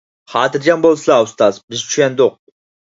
خاتىرجەم بولسىلا، ئۇستاز، بىز چۈشەندۇق.